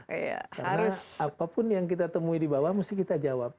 karena apapun yang kita temui di bawah mesti kita jawab